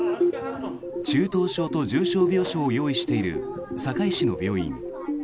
中等症と重症病床を用意している堺市の病院。